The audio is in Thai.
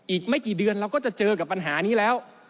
อีกไม่กี่เดือนเราก็จะเจอกับปัญหานี้แล้ว